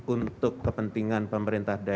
untuk kepentingan pemerintahan di jepang